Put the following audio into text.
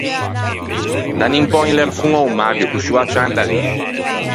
Danni un pö un lerfon a-o Mario, coscì o â cianta lì.